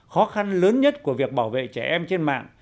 khó khăn lớn nhất của việc bảo vệ trẻ em trên mạng